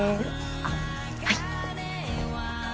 あっはい。